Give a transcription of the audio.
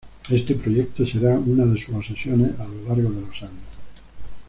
Este proyecto será una de sus obsesiones a lo largo de los años.